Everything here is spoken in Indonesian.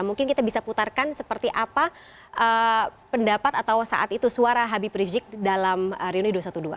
mungkin kita bisa putarkan seperti apa pendapat atau saat itu suara habib rizik dalam hari ini